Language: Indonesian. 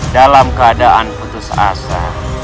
dalam keadaan putus asa